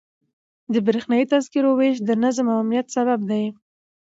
د بریښنایي تذکرو ویش د نظم او امنیت سبب دی.